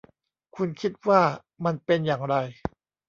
คุณคิดว่ามันเป็นอย่างไร